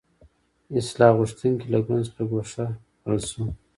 اصلاح غوښتونکي له ګوند څخه ګوښه کړل شو.